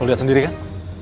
lo lihat sendiri kan